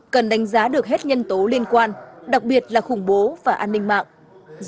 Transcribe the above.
cần đánh giá được hết nhân tố liên quan đặc biệt là khủng bố và an ninh mạng